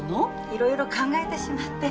いろいろ考えてしまって。